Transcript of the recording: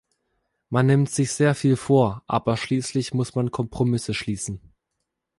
Man nimmt sich sehr viel vor, aber schließlich muss man Kompromisse schließen.